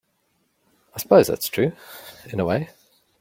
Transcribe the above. I suppose that's true in a way.